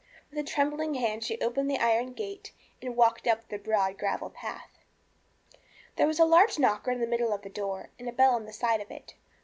With a trembling hand she opened the iron gate and walked up the broad gravel path. There was a large knocker in the middle of the door, and a bell on one side of it.